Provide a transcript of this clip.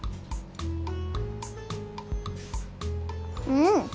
うん！